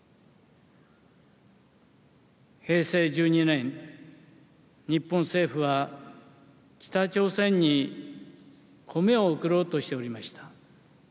平成１２年、日本政府は北朝鮮に米を送ろうとしておりました。